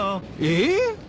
えっ。